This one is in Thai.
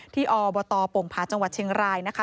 ที่อบตปงภาชน์จังหวัดเชียงรายนะคะ